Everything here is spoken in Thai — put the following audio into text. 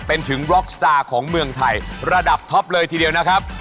เป็นถึงบล็อกสตาร์ของเมืองไทยระดับท็อปเลยทีเดียวนะครับ